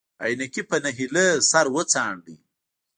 عينکي په نهيلۍ سر وڅنډه.